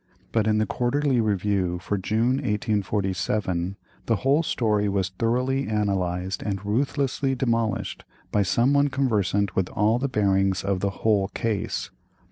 But in the Quarterly Review for June 1847, the whole story was thoroughly analysed and ruthlessly demolished by some one conversant with all the bearings of the whole case.